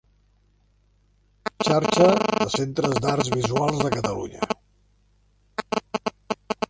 Xarxa de Centres d'Arts Visuals de Catalunya.